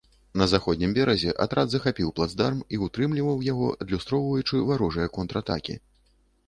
На заходнім беразе атрад захапіў плацдарм і ўтрымліваў яго, адлюстроўваючы варожыя контратакі.